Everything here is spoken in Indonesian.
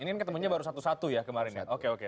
ini kan ketemunya baru satu satu ya kemarin ya oke oke